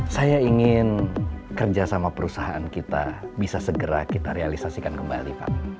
saya ingin kerja sama perusahaan kita bisa segera kita realisasikan kembali pak